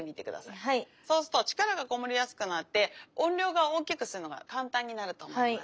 そうすると力がこもりやすくなって音量が大きくするのが簡単になると思います。